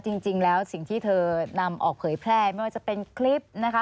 จริงแล้วสิ่งที่เธอนำออกเผยแพร่ไม่ว่าจะเป็นคลิปนะคะ